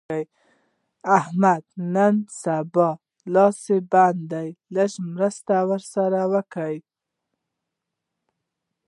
د احمد نن سبا لږ لاس بند دی؛ مرسته ور سره وکړه.